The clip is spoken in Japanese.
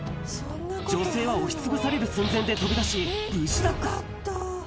女性は押しつぶされる寸前で飛び出し、無事だった。